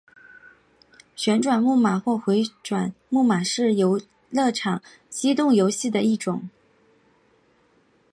旋转木马或回转木马是游乐场机动游戏的一种。